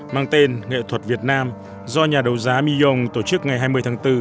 mang tên nghệ thuật việt nam do nhà đấu giá millon tổ chức ngày hai mươi tháng bốn